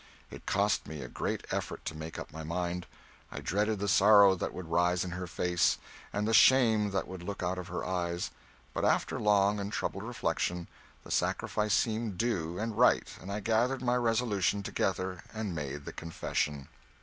It cost me a great effort to make up my mind; I dreaded the sorrow that would rise in her face, and the shame that would look out of her eyes; but after long and troubled reflection, the sacrifice seemed due and right, and I gathered my resolution together and made the confession.